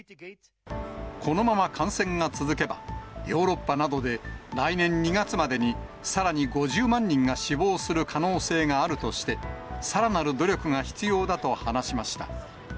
このまま感染が続けば、ヨーロッパなどで来年２月までに、さらに５０万人が死亡する可能性があるとして、さらなる努力が必要だと話しました。